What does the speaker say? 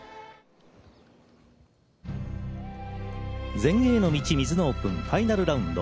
全英への道ミズノオープンファイナルラウンド。